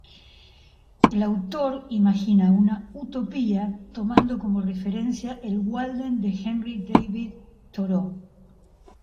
El autor imagina una utopía tomando como referencia el "Walden" de Henry David Thoreau.